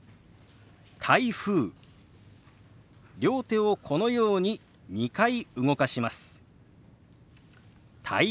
両手をこのように２回動かします。